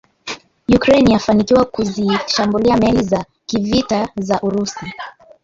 Ukraine yafanikiwa kuzishambulia meli za kivita za urusi.